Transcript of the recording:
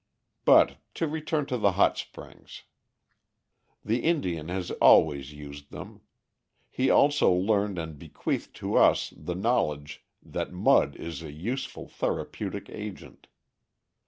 But to return to the hot springs. The Indian has always used them. He also learned and bequeathed to us the knowledge that mud is a useful therapeutic agent.